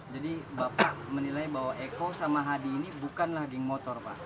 jadi bapak menilai bahwa eko samahadi ini bukanlah geng motor pak